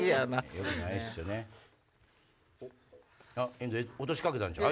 遠藤落としかけたんちゃう？